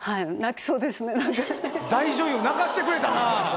大女優泣かせてくれたな。